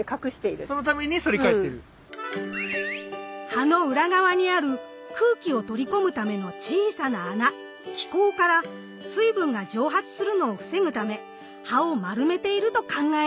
葉の裏側にある空気を取り込むための小さな穴「気孔」から水分が蒸発するのを防ぐため葉を丸めていると考えられるのです。